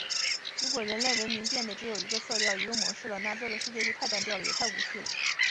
如果人类文明变得只有一个色调、一个模式了，那这个世界就太单调了，也太无趣了！